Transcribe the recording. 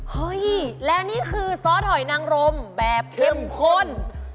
เฮ้ยแล้วนี่คือซอสหอยนางรมแบบเข้มข้น